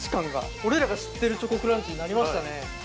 俺らが知ってるチョコクランチになりましたね。